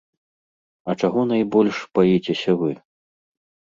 А чаго найбольш баіцеся вы?